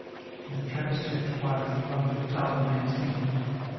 And the Trappist left quietly, while Durtal remained thinking.